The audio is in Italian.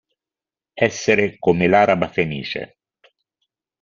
Essere come l'Araba Fenice.